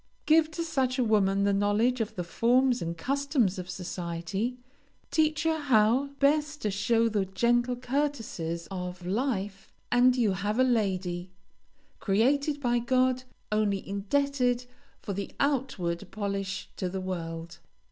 Give to such a woman the knowledge of the forms and customs of society, teach her how best to show the gentle courtesies of life, and you have a lady, created by God, only indebted for the outward polish to the world.